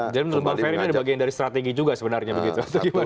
jadi menurut pak ferry ini ada bagian dari strategi juga sebenarnya begitu atau gimana